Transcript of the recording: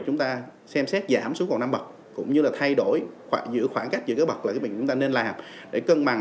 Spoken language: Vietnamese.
chúng ta xem xét giảm xuống còn năm bậc cũng như là thay đổi giữ khoảng cách giữa các bậc là cái việc chúng ta nên làm để cân bằng